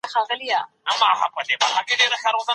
خلکو فکر کاوه چي جګړه به ژر پای ته ورسیږي.